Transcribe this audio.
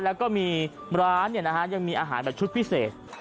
แล้วก็มีร้านยังมีอาหารแบบชุดพิเศษ